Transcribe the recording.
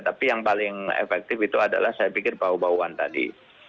tapi yang paling efektif itu adalah saya pikir bau bauan tadi